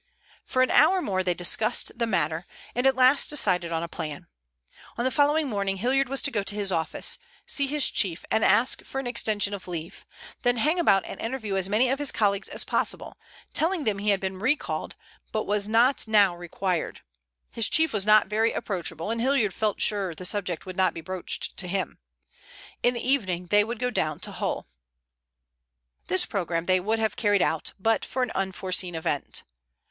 For an hour more they discussed the matter, and at last decided on a plan. On the following morning Hilliard was to go to his office, see his chief and ask for an extension of leave, then hang about and interview as many of his colleagues as possible, telling them he had been recalled, but was not now required. His chief was not very approachable, and Hilliard felt sure the subject would not be broached to him. In the evening they would go down to Hull. This program they would have carried out, but for an unforeseen event.